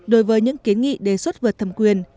đối với những kiến nghị đề xuất vượt thẩm quyền